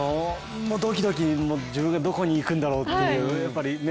ドキドキ、自分がどこにいくんだろうっていうね